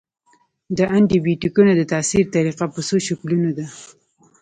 د انټي بیوټیکونو د تاثیر طریقه په څو شکلونو ده.